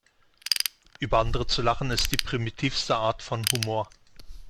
Über andere zu lachen, ist die primitivste Art von Humor.